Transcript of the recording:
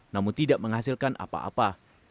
namun tidak menghasilkan apa apa